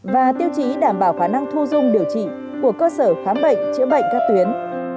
và tiêu chí đảm bảo khả năng thu dung điều trị của cơ sở khám bệnh chữa bệnh các tuyến